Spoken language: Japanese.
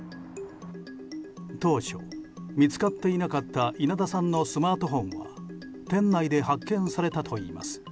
当初、見つかっていなかった稲田さんのスマートフォンは店内で発見されたといいます。